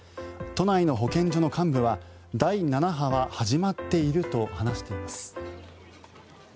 都内の保健所の幹部は第７波は始まっていると話しています。